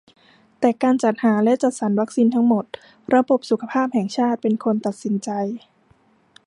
แต่การจัดหาและจัดสรรวัคซีนทั้งหมด ระบบสุขภาพแห่งชาติเป็นคนตัดสินใจ